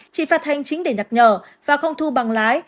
chỉ phạt hành chính để nhắc nhở và không thu bằng lái